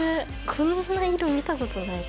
こんな色見たことない。